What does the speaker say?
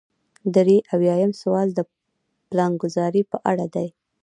درې اویایم سوال د پلانګذارۍ په اړه دی.